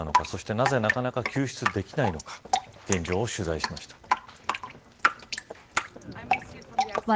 そして、なぜなかなか救出できないのか現状を取材しました。